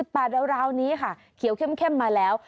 แต่ราวนี้ค่ะเขียวเข้มมาแล้ว